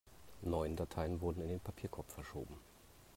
Neun Dateien wurden in den Papierkorb verschoben.